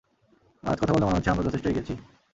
আজ কথা বলে মনে হচ্ছে, আমরা যথেষ্ট এগিয়েছি!